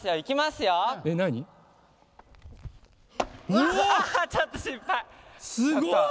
すごい！